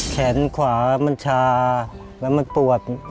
แขนขวามันชาแล้วมันปวด